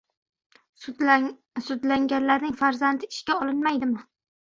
Sudlanganlarning farzandi ishga olinmaydimi?